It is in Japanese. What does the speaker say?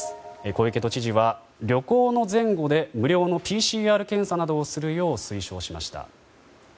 小池都知事は旅行の前後で無料のＰＣＲ検査などをするよう推奨しました。